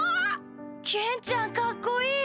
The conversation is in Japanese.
ケンちゃんカッコいい！